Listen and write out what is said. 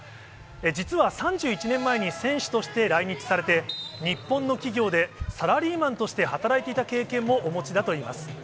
実は３１年前に選手として来日されて、日本の企業で、サラリーマンとして働いていた経験もお持ちだといいます。